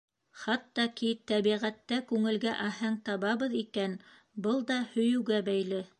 Хатта ки тәбиғәттә күңелгә аһәң табабыҙ икән, был да һөйөүгә бәйле.